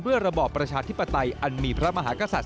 ระบอบประชาธิปไตยอันมีพระมหากษัตริย